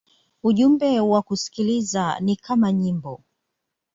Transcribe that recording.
Ujumbe wa kusikiliza ni kama nyimbo.